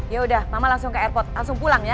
ya udah mama langsung ke airport langsung pulang ya